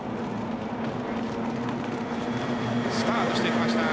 スタートしていきました。